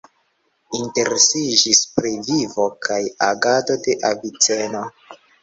Interesiĝis pri vivo kaj agado de Aviceno.